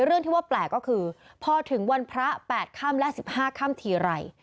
เรื่องที่ว่าแปลกก็คือพอถึงวันพระ๘ค่ำและ๑๕ค่ำทีไร